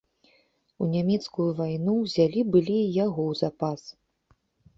У нямецкую вайну ўзялі былі й яго ў запас.